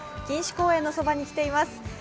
錦糸公園のそばに来ています。